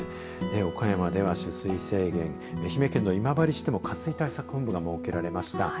岡山では、取水制限愛媛県の今治市でも渇水対策本部が設けられました。